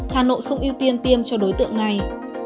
hà nội không ưu tiên tiêm cho đối tượng này